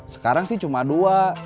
sekarang sih cuma dua